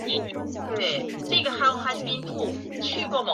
毗邻的多明我会圣伯多禄堂最近已经拆除。